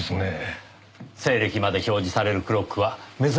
西暦まで表示されるクロックは珍しいですからねえ。